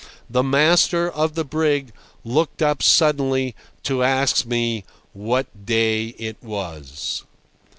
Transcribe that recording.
The master of the brig looked up suddenly to ask me what day it was.